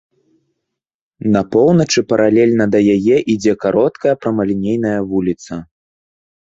На поўначы паралельна да яе ідзе кароткая прамалінейная вуліца.